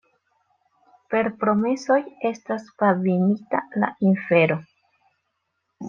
Per promesoj estas pavimita la infero.